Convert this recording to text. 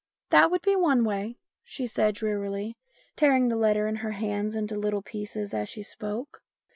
"That would be one way," she said drearityj tearing the letter in her hands into little pieces as she spoke.